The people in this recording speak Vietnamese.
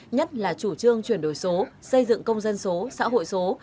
nhất là chủ trương chuyển đổi số xây dựng công dân số xã hội số